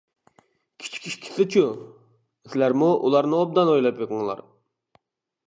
كىچىك ئىككىسىچۇ؟ سىلەرمۇ ئۇلارنى ئوبدان ئويلاپ بېقىڭلار.